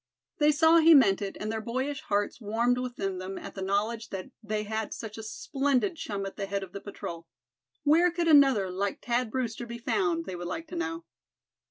They saw he meant it, and their boyish hearts warmed within them at the knowledge that they had such a splendid chum at the head of the patrol. Where could another like Thad Brewster be found, they would like to know?